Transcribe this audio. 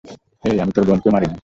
এই, আমি তোর বোনকে মারিনি।